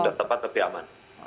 untuk tempat lebih aman